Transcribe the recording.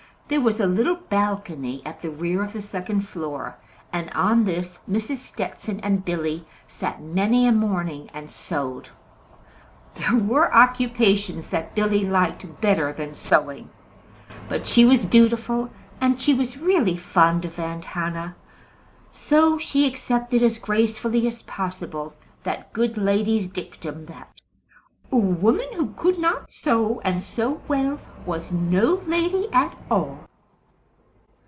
There was a little balcony at the rear of the second floor, and on this Mrs. Stetson and Billy sat many a morning and sewed. There were occupations that Billy liked better than sewing; but she was dutiful, and she was really fond of Aunt Hannah; so she accepted as gracefully as possible that good lady's dictum that a woman who could not sew, and sew well, was no lady at all.